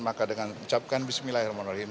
maka dengan menyebutkan bismillahirrahmanirrahim